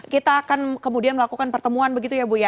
kita akan kemudian melakukan pertemuan begitu ya bu ya